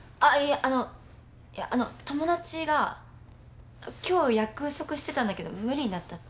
あのいやあの友達が今日約束してたんだけど無理になったって。